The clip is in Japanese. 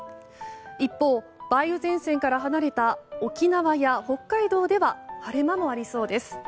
一方、梅雨前線から離れた沖縄や北海道では晴れ間もありそうです。